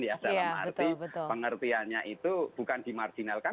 dalam arti pengertiannya itu bukan dimarginalkan